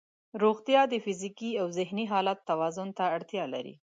روغتیا د فزیکي او ذهني حالت توازن ته اړتیا لري.